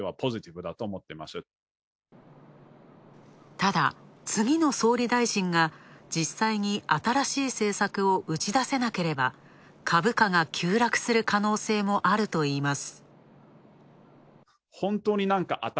ただ、次の総理大臣が実際に新しい政策を打ち出せなければ株価が急落する可能性もあるといいます。